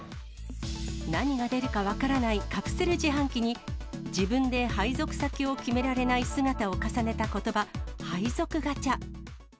何が出るか分からないカプセル自販機に、自分で配属先を決められない姿を重ねたことば、配属ガチャ。